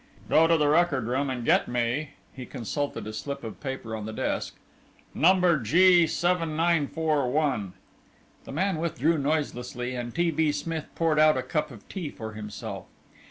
"Go to the record room and get me" he consulted a slip of paper on the desk "Number G 7941." The man withdrew noiselessly, and T. B. Smith poured out a cup of tea for himself.